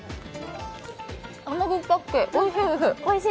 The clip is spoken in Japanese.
甘酸っぱくておいしいです。